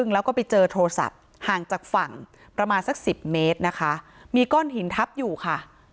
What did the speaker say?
แล้วก็ไปเจอโทรศัพท์ห่างจากฝั่งประมาณสัก๑๐เมตรนะคะมีก้อนหินทับอยู่ค่ะ